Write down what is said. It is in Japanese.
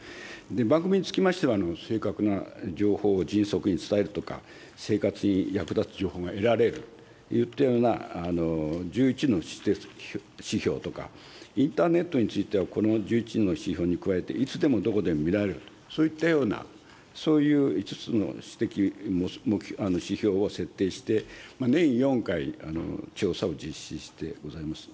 番組につきましては、正確な情報を迅速に伝えるとか、生活に役立つ情報が得られるといったような１１の質的指標とか、インターネットについては、この１１の指標に加えて、いつでもどこでも見られると、そういったような、そういう５つの質的指標を設定して、年４回、調査を実施してございます。